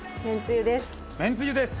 めんつゆです。